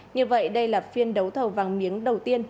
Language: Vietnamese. như vậy đây là phiên đấu thầu vàng miếng đầu tiên